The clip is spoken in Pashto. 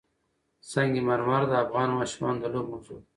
سنگ مرمر د افغان ماشومانو د لوبو موضوع ده.